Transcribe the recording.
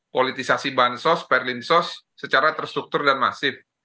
politisasi bansos perlinsos secara terstruktur dan masif